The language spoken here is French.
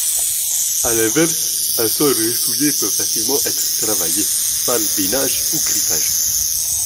À l'inverse, un sol ressuyé peut facilement être travaillé par binage ou griffage.